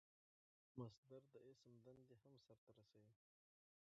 مصدر د اسم دندې هم سر ته رسوي.